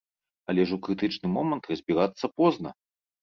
Але ж у крытычны момант разбірацца позна!